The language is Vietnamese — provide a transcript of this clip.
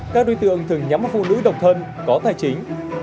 các đối tượng thường nhắm vào phụ nữ độc thân có tài chính